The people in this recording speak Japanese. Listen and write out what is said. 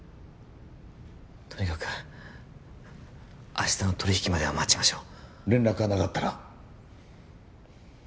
とにかく明日の取引までは待ちましょう連絡がなかったら？